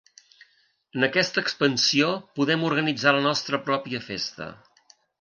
En aquesta expansió podem organitzar la nostra pròpia festa.